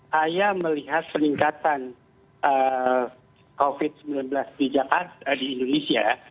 saya melihat peningkatan covid sembilan belas di indonesia